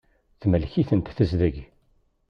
Temlek-itent tezdeg.